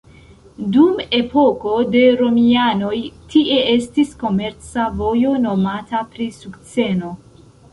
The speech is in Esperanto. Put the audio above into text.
Dum epoko de romianoj tie estis komerca vojo nomata pri sukceno.